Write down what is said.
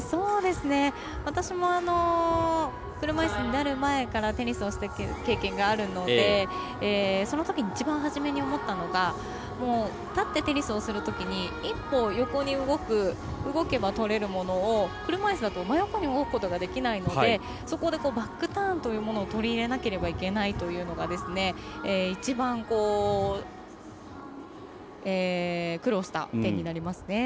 私も、車いすになる前からテニスをした経験があるのでそのときに一番初めに思ったのが立ってテニスをするときに１歩横に動けばとれるものを車いすだと真横に動くことができないのでそこをバックターンというものを取り入れなければいけないというのが一番、苦労した点になりますね。